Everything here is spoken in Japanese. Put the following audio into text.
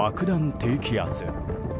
低気圧。